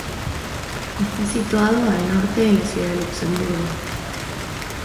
Está situado al norte de la ciudad de Luxemburgo.